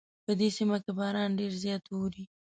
په دې سیمه کې باران ډېر زیات اوري